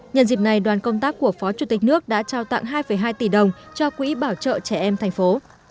nhân dịp này đoàn công tác của phó chủ tịch nước đã trao tặng hai hai tỷ đồng cho quỹ bảo trợ trẻ em thành phố